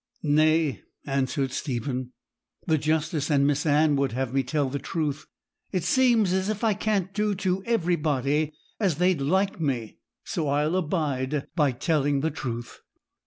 'Nay,' answered Stephen, 'the justice and Miss Anne would have me tell the truth. It seems as if I can't do to everybody as they'd like me; so I'll abide by telling the truth.'